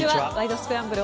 スクランブル」